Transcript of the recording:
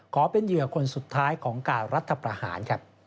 ขอเป็นเหยือกลสุดท้ายของการรัฐประหาร